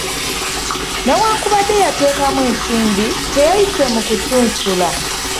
Newankubadde yateekamu ensimbi, teyayise mu kusunsula.